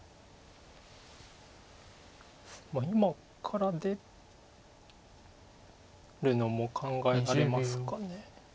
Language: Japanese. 今から出るのも考えられますか。